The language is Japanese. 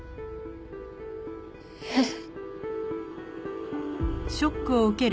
えっ？